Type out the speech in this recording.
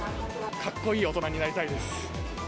かっこいい大人になりたいです。